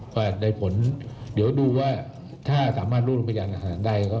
ก็ได้ผลเดี๋ยวดูว่าถ้าสามารถรุงพยานหลักฐานได้